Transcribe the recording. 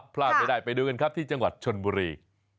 พลาดไม่ได้ไปดูกันครับที่จังหวัดชนบุรี